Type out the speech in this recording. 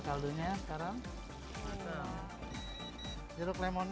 atau jusnya berkumpul